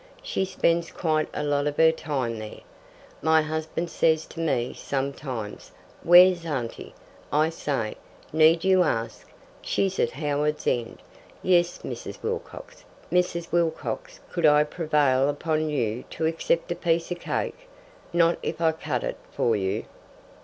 She spends quite a lot of her time there. My husband says to me sometimes, 'Where's auntie?' I say, 'Need you ask? She's at Howards End.' Yes, Mrs. Wilcox. Mrs. Wilcox, could I prevail upon you to accept a piece of cake? Not if I cut it for you?"